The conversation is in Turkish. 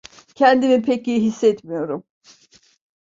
Kendimi pek iyi hissetmiyorum.